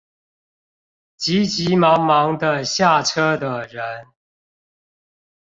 急急忙忙地下車的人